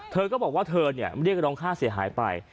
เธอก็บอกว่าเธอไม่ได้กระดองค่าเสียหายไป